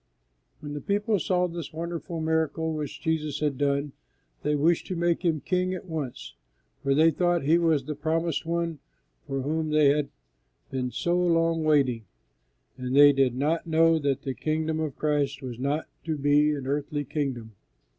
When the people saw this wonderful miracle which Jesus had done, they wished to make Him king at once, for they thought He was the Promised One for whom they had been so long waiting, and they did not know that the kingdom of Christ was not to be an earthly kingdom.